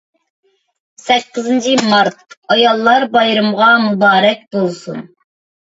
«سەككىزىنچى مارت» ئاياللار بايرىمىغا مۇبارەك بولسۇن.